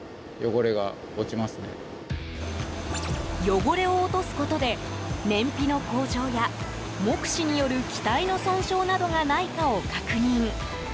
汚れを落とすことで燃費の向上や目視による機体の損傷などがないかを確認。